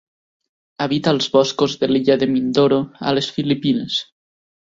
Habita els boscos de l'illa de Mindoro, a les Filipines.